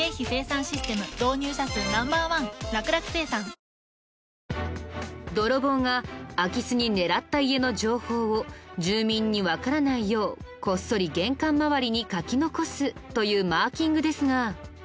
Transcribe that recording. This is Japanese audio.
カルビー「ポテトデラックス」ＮＥＷ泥棒が空き巣に狙った家の情報を住民にわからないようこっそり玄関周りに書き残すというマーキングですが。